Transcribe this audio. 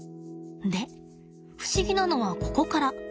で不思議なのはここから。